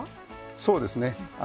そうですね。